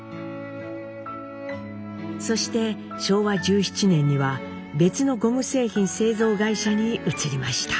そして昭和１７年には別のゴム製品製造会社に移りました。